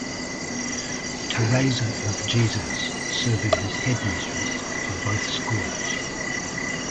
Teresa of Jesus serving as Head Mistress for both schools.